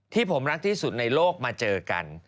ที่ผมรักที่สุดในโลกมาเจอกัน